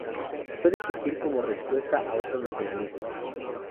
Puede surgir como respuesta a otro nacionalismo.